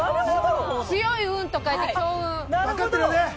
強い運と書いて強運。